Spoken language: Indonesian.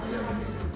nanti disampaikan juga